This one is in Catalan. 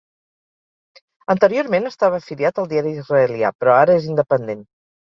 Anteriorment estava afiliat al diari israelià, però ara és independent.